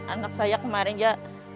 anak saya kemarin ya